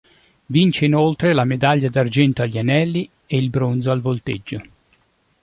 Vince inoltre la medaglia d'argento agli anelli e il bronzo al volteggio.